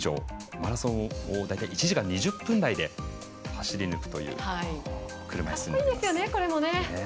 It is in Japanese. マラソン、大体１時間２０分台で走りぬくという車いすになっています。